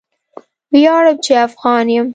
ویاړم چې افغان یم